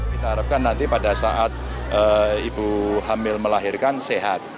kita harapkan nanti pada saat ibu hamil melahirkan sehat